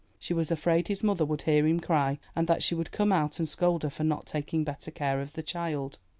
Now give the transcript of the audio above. She was afraid his mother would hear him cry, and that she would come out and scold her for not taking better care of the child.